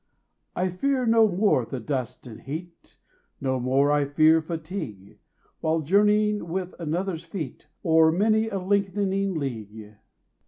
I fear no more the dust and heat, 25 No more I fear fatigue, While journeying with another's feet O'er many a lengthening league.